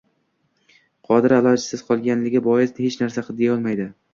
Qadira ilojsiz qolgani bois hech narsa deyolmadi